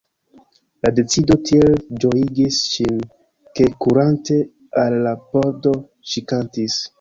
La decido tiel ĝojigis ŝin; ke kurante al la pordo, ŝi kantis: